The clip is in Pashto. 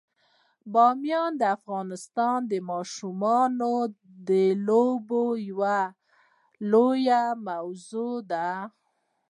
بامیان د افغانستان د ماشومانو د لوبو یوه لویه موضوع ده.